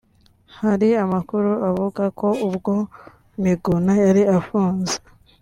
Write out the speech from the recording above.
Hari amakuru avuga ko ubwo Miguna yari afunze